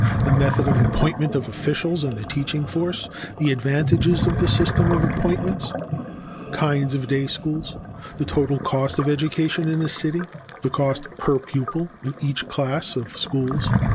The method of appointment of officials and the teaching force. The advantages of the system of appointments. Kinds of day schools. The total cost of education in the city. The cost per pupil in each class of schools.